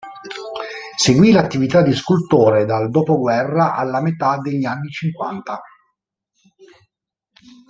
Seguì l'attività di scultore, dal dopoguerra alla metà degli anni cinquanta.